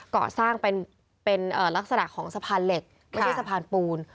ก่อสร้างเป็นลักษณะของสะพานเหล็กไม่ใช่สะพานปูน